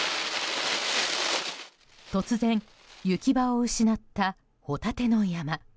突然、行き場を失ったホタテの山。